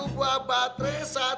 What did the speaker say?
satu buah batre